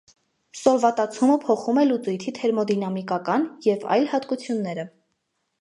Սոլվատացումը փոխում է լուծույթի թերմոդինամիկական և այլ հատկությունները։